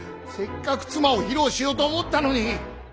せっかく妻を披露しようと思ったのに。